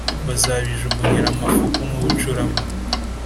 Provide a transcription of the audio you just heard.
bazabijugunyira amafuku n’ubucurama.